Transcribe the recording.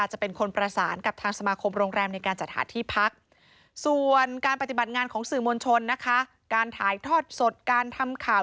หลังจากบัดงานของสื่อมวลชนนะคะการถ่ายทอดสดการทำข่าว